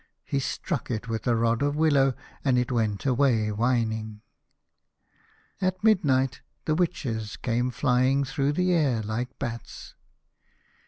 He struck it with a rod of willow, and it went away whining. At midnight the witches came flying through the air like bats.